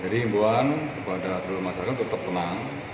jadi imbuan kepada seluruh masyarakat tetap tenang